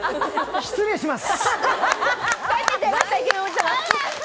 失礼します！